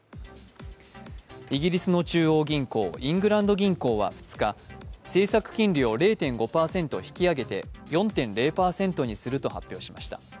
イギリスの中央銀行、イングランド銀行は２日、政策金利を０．５％引き上げて４．０％にすると発表しました。